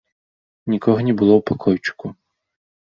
Нікога не было ў пакойчыку.